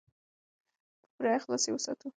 په پوره اخلاص یې وساتو.